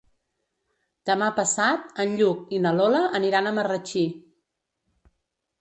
Demà passat en Lluc i na Lola aniran a Marratxí.